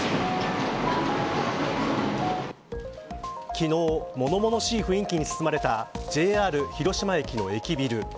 昨日、物々しい雰囲気に包まれたＪＲ広島駅の駅ビル。